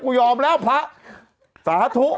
ยอมแล้วพระสาธุ